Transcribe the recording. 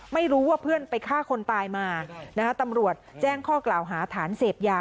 ไม่รู้ว่าเพื่อนไปฆ่าคนตายมานะคะตำรวจแจ้งข้อกล่าวหาฐานเสพยา